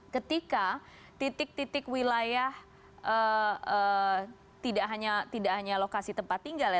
ketika titik titik wilayah tidak hanya lokasi tempat tinggal ya